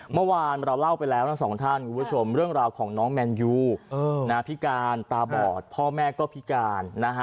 เมื่อวานเราเล่าไปแล้วทั้งสองท่านคุณผู้ชมเรื่องราวของน้องแมนยูพิการตาบอดพ่อแม่ก็พิการนะฮะ